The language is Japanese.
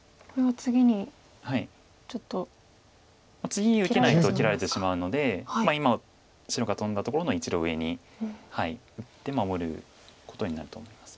次受けないと切られてしまうので今白がトンだところの１路上に打って守ることになると思います。